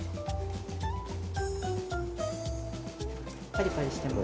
パリパリしてます。